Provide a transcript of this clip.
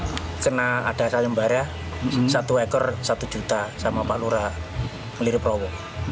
karena ada salim baria satu ekor satu juta sama pak lura liriprawo